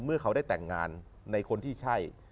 เมื่อเขาได้แต่งงานในคนที่ใช่